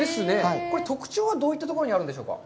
これ、特徴は、どういったところにあるんでしょうか。